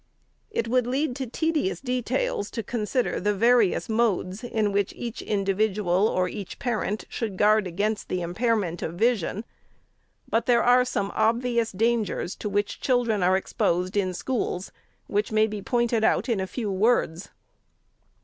It would lead to tedious details to consider the various modes in which each individual or each parent should guard against the impair ment of vision ; but there are some obvious dangers to which children are exposed in schools, which may be pointed out in a few words.